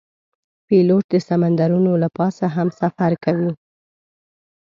پیلوټ د سمندرونو له پاسه هم سفر کوي.